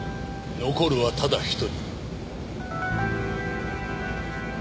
残るはただ１人。